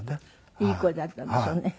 いい声だったんでしょうね。